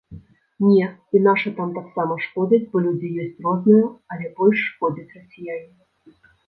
Не, і нашы там таксама шкодзяць, бо людзі ёсць розныя, але больш шкодзяць расіяне.